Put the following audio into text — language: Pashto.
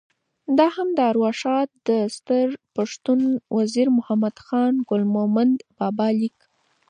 دا هم د ارواښاد ستر پښتون وزیر محمد ګل خان مومند بابا لیک: